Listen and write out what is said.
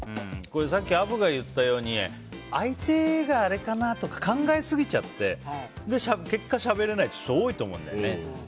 さっきアブが言ったように相手があれかなとか考えすぎちゃって結果、しゃべれないって人多いと思うんだよね。